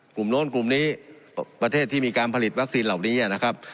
โน้นกลุ่มนี้ประเทศที่มีการผลิตวัคซีนเหล่านี้นะครับ